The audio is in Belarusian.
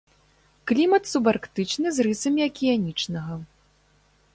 Клімат субарктычны, з рысамі акіянічнага.